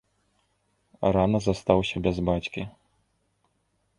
Рана застаўся без бацькі.